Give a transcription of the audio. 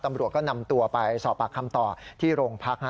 ตำรวจก็นำตัวไปสอบปากคำต่อที่โรงพัก